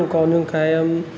có những cái